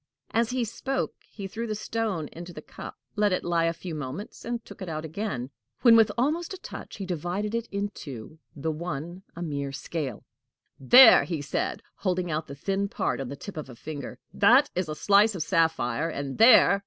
As he spoke, he threw the stone into the cup, let it lie a few moments, and took it out again; when, almost with a touch, he divided it in two, the one a mere scale. "There!" he said, holding out the thin part on the tip of a finger, "that is a slice of sapphire; and there!"